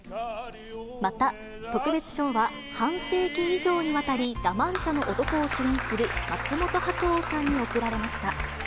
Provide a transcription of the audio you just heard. また特別賞は、半世紀以上にわたり、ラ・マンチャの男を主演する松本白鸚さんに贈られました。